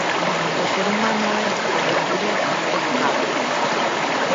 O ser humano é por natureza educábel.